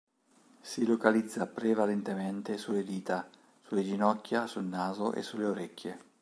Si localizza prevalentemente sulle dita, sulle ginocchia, sul naso e sulle orecchie.